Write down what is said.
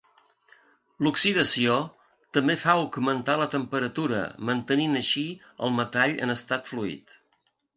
L'oxidació també fa augmentar la temperatura mantenint així el metall en estat fluid.